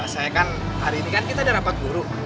saya kan hari ini kan kita udah rapat guru